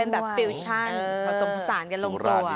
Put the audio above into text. แบบฟิวชั่นผสมผสานกันลงตัว